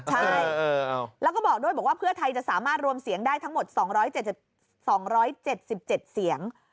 ใช่แล้วก็บอกด้วยบอกว่าเพื่อไทยจะสามารถรวมเสียงได้ทั้งหมด๒๗๗เสียง